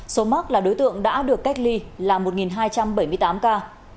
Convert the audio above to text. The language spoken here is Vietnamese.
số mắc là đối tượng đã được cách ly là một hai trăm bảy mươi tám ca